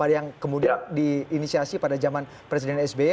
yang kemudian diinisiasi pada zaman presiden sby